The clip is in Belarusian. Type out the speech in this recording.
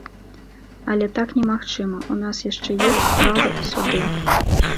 Але так немагчыма, у нас яшчэ ёсць права і суды.